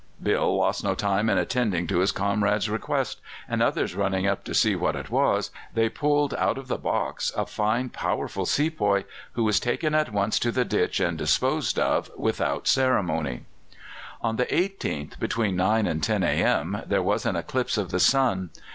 Bill lost no time in attending to his comrade's request, and others running up to see what it was, they pulled out of the box a fine powerful sepoy, who was taken at once to the ditch and disposed of without more ceremony. On the 18th, between 9 and 10 a.m., there was an eclipse of the sun.